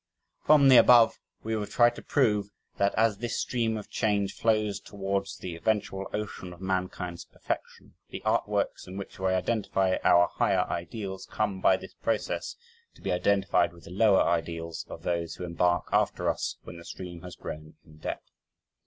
From the above we would try to prove that as this stream of change flows towards the eventual ocean of mankind's perfection, the art works in which we identify our higher ideals come by this process to be identified with the lower ideals of those who embark after us when the stream has grown in depth.